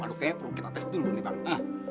aduh kayaknya perlu kita tes dulu nih panggung